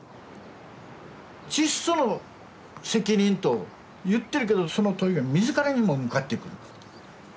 チッソの責任と言ってるけどその問いが自らにも向かってくる。